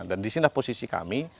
dan inilah posisi kami